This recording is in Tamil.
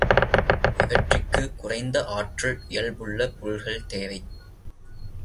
இவற்றிற்குக் குறைந்த ஆற்றல் இயல்புள்ள பொருள்கள் தேவை.